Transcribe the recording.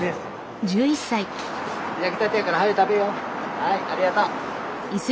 はいありがとう。